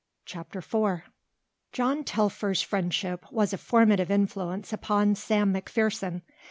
CHAPTER IV John Telfer's friendship was a formative influence upon Sam McPherson.